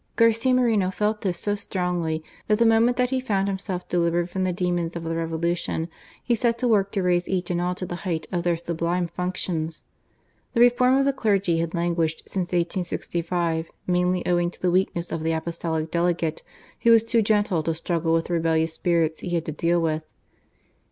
Garcia Moreno felt this so strongly that the moment that he found himself delivered from the demons of the Revolution, he set to work to raise each and all to the height of their sublime functions. The reform of the clergy had languished since 1865, mainly owing to the weakness of the Apostolic Delegate, who was too gentle to struggle with the rebellious spirits he had to deal with.